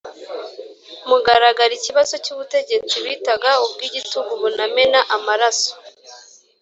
mugaragaro ikibazo cy'ubutegetsi bitaga ubwigitugu bunamena amaraso.